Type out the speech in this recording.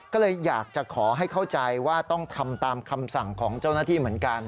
ก็เลยอยากจะขอให้เข้าใจว่าต้องทำตามคำสั่งของเจ้าหน้าที่เหมือนกัน